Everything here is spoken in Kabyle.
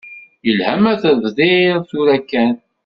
Yelha ma tebdiḍ tura kan.